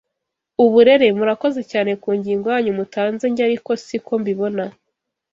uburere Murakoze cyane ku ngingo yanyu mutanze nge ariko si ko mbibona